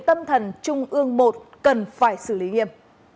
tâm thần trung ương một cần phải xử lý nghiêm